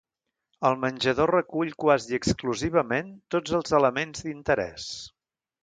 El menjador recull quasi exclusivament tots els elements d'interès.